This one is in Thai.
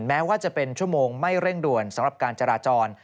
แม้ว่าจะเป็นชั่วโมงไม่เร่งด่วนสำหรับการจราจร